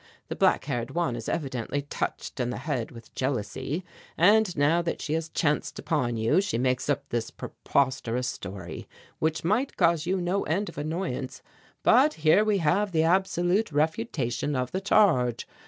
The black haired one is evidently touched in the head with jealousy, and now that she has chanced upon you, she makes up this preposterous story, which might cause you no end of annoyance, but here we have the absolute refutation of the charge.